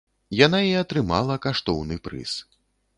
Яна і атрымала каштоўны прыз.